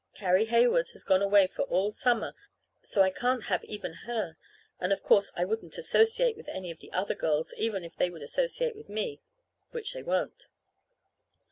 Carrie Heywood has gone away for all summer, so I can't have even her; and of course, I wouldn't associate with any of the other girls, even if they would associate with me which they won't.